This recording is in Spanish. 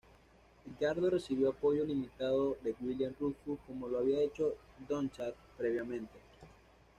Edgardo recibió apoyo limitado de William Rufus como lo había hecho Donnchad previamente.